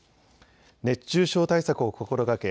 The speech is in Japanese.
熱中症対策を心がけ